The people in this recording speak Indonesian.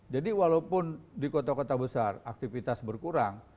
jadi walaupun di kota kota besar aktivitas berkurang